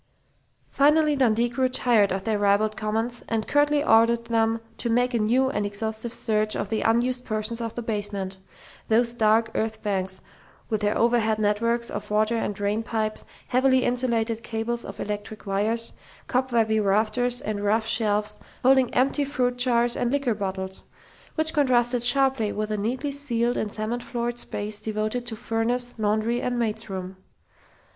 Finally Dundee grew tired of their ribald comments and curtly ordered them to make a new and exhaustive search of the unused portions of the basement those dark earth banks, with their overhead networks of water and drain pipes, heavily insulated cables of electric wires, cobwebby rafters and rough shelves holding empty fruit jars and liquor bottles which contrasted sharply with the neatly ceiled and cement floored space devoted to furnace, laundry and maid's room.